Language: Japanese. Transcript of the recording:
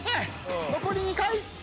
残り２回！